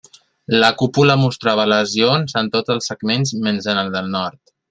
La cúpula mostrava lesions en tots els segments menys en el del nord.